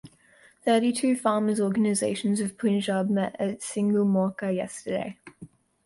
Thirty-two farmers' organisations of Punjab met at Singhu Morcha yesterday.